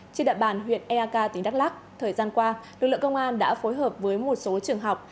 trên đại bàn huyện eak tỉnh đắk lắc thời gian qua lực lượng công an đã phối hợp với một số trường học